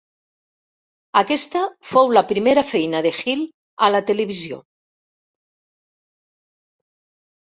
Aquesta fou la primera feina de Hill a la televisió.